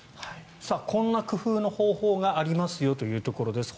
こんな工夫の方法がありますよというところです。